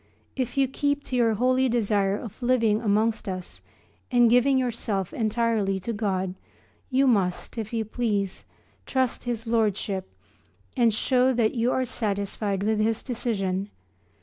If you keep to your holy desire of living amongst us and giving yourself entirely to God you must, if you please, trust his Lordship and show that you are satisfied with his decision.